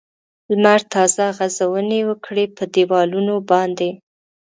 لمر تازه غځونې وکړې په دېوالونو باندې.